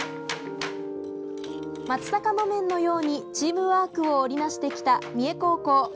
松阪木綿のようにチームワークを織り成してきた三重高校。